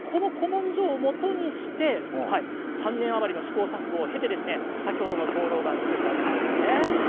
この古文書をもとにして３年余りの試行錯誤を経て先ほどの兵糧丸作ったわけなんです。